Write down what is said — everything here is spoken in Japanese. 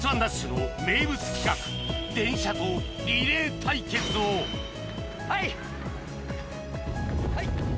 ＤＡＳＨ‼』の名物企画電車とリレー対決をはい！